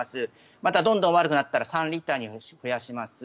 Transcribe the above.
またどんどん悪くなったら３リットルに増やします